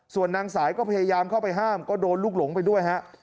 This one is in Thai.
ส่วนนางสายก็พยายามเข้าไปห้ามก็โดนลูกหลงไปด้วยฮะ